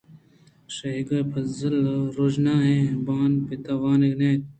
شھک ءُ پازُل روژنائیں بان ءِ تہ ءَ وانگ ءَ اَنت۔